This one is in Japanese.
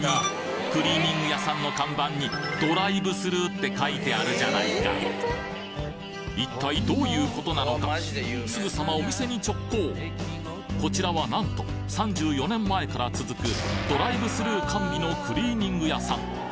クリーニング屋さんの看板にドライブスルーって書いてあるじゃないか一体どういうことなのかすぐさまお店に直行こちらは何と３４年前から続くドライブスルー完備のクリーニング屋さん